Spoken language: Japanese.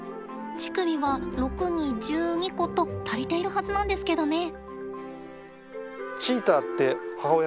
乳首は６×２１２個と足りているはずなんですけどね。